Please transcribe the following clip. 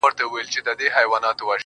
o ځمه ويدېږم ستا له ياده سره شپې نه كوم.